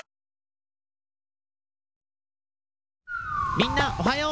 みんなおはよう！